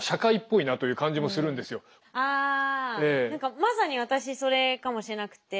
あ何かまさに私それかもしれなくて。